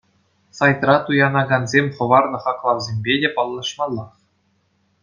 Сайтра туянакансем хӑварнӑ хаклавсемпе те паллашмаллах.